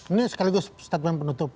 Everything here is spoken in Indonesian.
ini sekaligus statement penutup